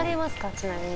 ちなみに。